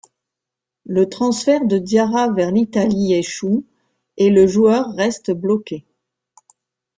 Le transfert de Diarra vers l'Italie échoue, et le joueur reste bloqué.